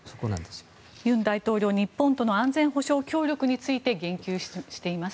尹大統領は日本との安全保障協力について言及しています。